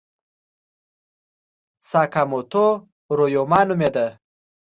ساکاموتو ریوما نومېده.